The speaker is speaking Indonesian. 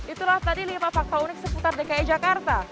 itulah tadi lima fakta unik seputar dki jakarta